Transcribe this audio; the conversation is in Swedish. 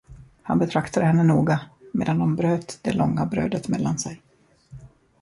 Han betraktade henne noga, medan de bröt det långa brödet mellan sig.